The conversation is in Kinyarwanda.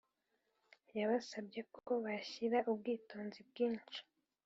yabasabye ko bashyira ubwitonzi bwinshi